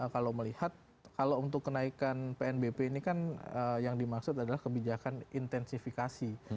kalau melihat kalau untuk kenaikan pnbp ini kan yang dimaksud adalah kebijakan intensifikasi